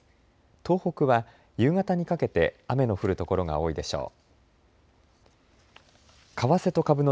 東北は夕方にかけて雨の降る所が多いでしょう。